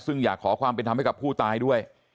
ซึ่งอยากขอความเป็นธรรมให้กับผู้ตายด้วย